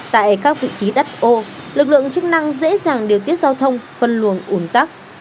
tại các vị trí đắc ô lực lượng chức năng dễ dàng điều tiết giao thông phân luồng ủng tắc